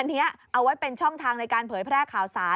อันนี้เอาไว้เป็นช่องทางในการเผยแพร่ข่าวสาร